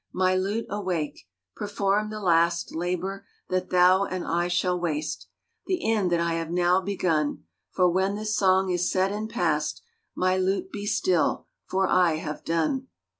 My lute awake! perform the last Labor that thou and I shall waste. The end that I have now begun ; For when this song is said and past. My lute, be still, for I have done.